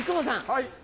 はい。